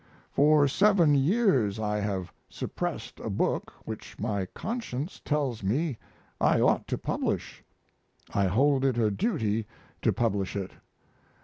For seven years I have suppressed a book which my conscience tells me I ought to publish. I hold it a duty to publish it.